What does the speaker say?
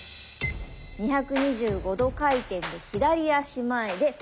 ２２５度回転で左足前でバシッ！